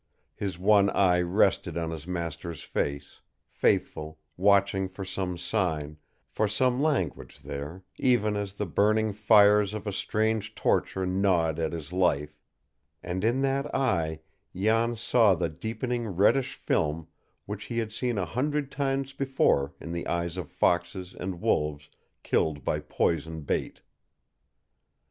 His one eye rested on his master's face, faithful, watching for some sign for some language there, even as the burning fires of a strange torture gnawed at his life, and in that eye Jan saw the deepening reddish film which he had seen a hundred times before in the eyes of foxes and wolves killed by poison bait.